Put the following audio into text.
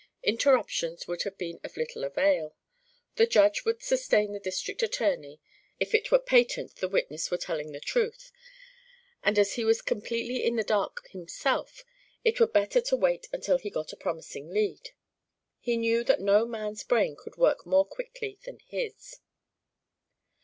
Interruptions would have been of little avail; the Judge would sustain the district attorney if it were patent the witness were telling the truth; and as he was completely in the dark himself it were better to wait until he got a promising lead. He knew that no man's brain could work more quickly than his.